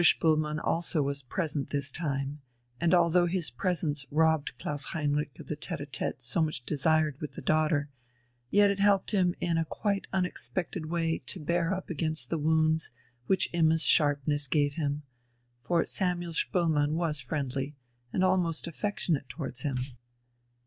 Spoelmann also was present this time, and although his presence robbed Klaus Heinrich of the tête à tête he so much desired with the daughter, yet it helped him in a quite unexpected way to bear up against the wounds which Imma's sharpness gave him; for Samuel Spoelmann was friendly, and almost affectionate towards him.